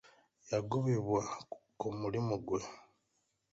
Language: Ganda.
Yagobebwa ku mulimu gwe.